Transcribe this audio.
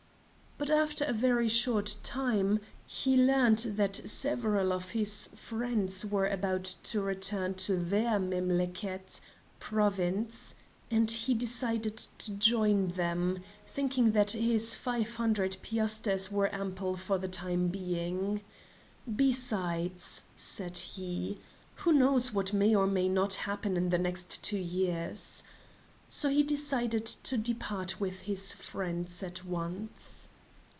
But after a very short time he learned that several of his friends were about to return to their Memleket (province), and he decided to join them, thinking that his five hundred piasters were ample for the time being, 'Besides,' said he, 'who knows what may or may not happen in the next two years?' So he decided to depart with his friends at once.